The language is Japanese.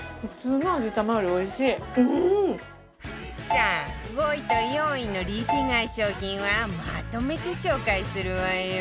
さあ５位と４位のリピ買い商品はまとめて紹介するわよ